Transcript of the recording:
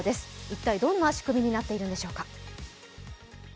一体、どんな仕組みになっているんでしょうか。